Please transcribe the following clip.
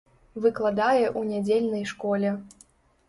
Выкладае ў нядзельнай школе.